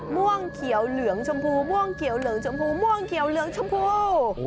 ม่วงเขียวเหลืองชมพูม่วงเขียวเหลืองชมพูม่วงเขียวเหลืองชมพู